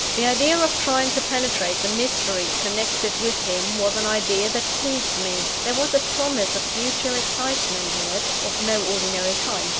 The idea of trying to penetrate the mystery connected with him was an idea that pleased me; there was a promise of future excitement in it of no ordinary kind.